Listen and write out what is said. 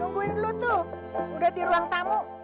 nungguin lu tuh udah di ruang tamu